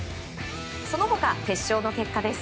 その他、決勝の結果です。